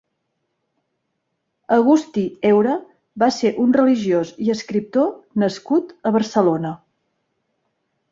Agustí Eura va ser un religiós i escriptor nascut a Barcelona.